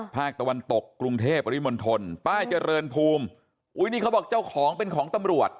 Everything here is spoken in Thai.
ภาคตะวันตกกรุงเทพปริมณฑลป้ายเจริญภูมิอุ้ยนี่เขาบอกเจ้าของเป็นของตำรวจ